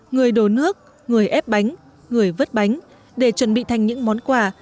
người đồ nước người ép bánh người vớt bánh để chuẩn bị thành những món quà